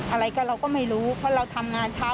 อะไรก็เราก็ไม่รู้เพราะเราทำงานเช้า